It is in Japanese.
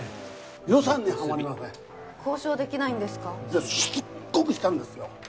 予算にハマりません交渉できないんですかいやしつっこくしたんですよ